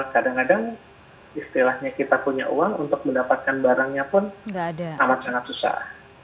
kadang kadang istilahnya kita punya uang untuk mendapatkan barangnya pun amat sangat susah